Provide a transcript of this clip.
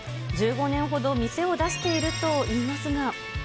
１５年ほど、店を出しているといいますが。